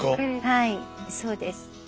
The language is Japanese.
はいそうです。